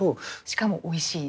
しかもおいしい。